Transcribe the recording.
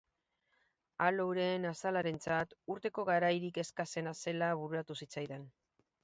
Alouren azalarentzat urteko garairik eskasena zela bururatu zitzaidan.